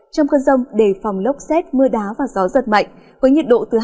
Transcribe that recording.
trong cơn rông đề phòng lốc xét mưa đá và gió giật mạnh với nhiệt độ từ hai mươi một đến hai mươi tám độ